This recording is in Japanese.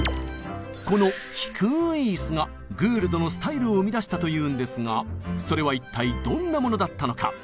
この「低い椅子」がグールドのスタイルを生み出したというんですがそれは一体どんなものだったのか？